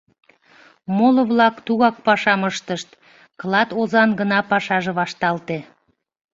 Моло-влак тугак пашам ыштышт, клат озан гына пашаже вашталте.